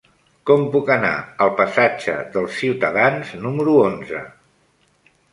Com puc anar al passatge dels Ciutadans número onze?